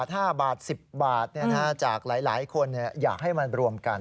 ถ้าบาท๑๐บาทจากหลายคนอยากให้มันรวมกัน